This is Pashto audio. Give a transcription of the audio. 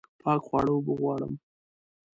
پاک خواړه اوبه غواړم